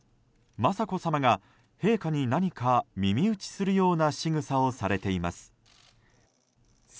雅子さまが陛下に何か耳打ちするようなしぐさをされています。